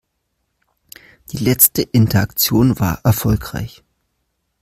Die letzte Interaktion war erfolgreich.